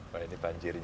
pak ini banjirnya ini